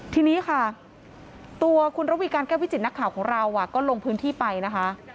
ทีนี้ค่ะตัวคุณระวีการแก้ววิจิตนักข่าวของเราก็ลงพื้นที่ไปนะคะ